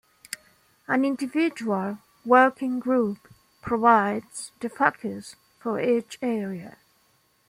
An individual working group provides the focus for each area.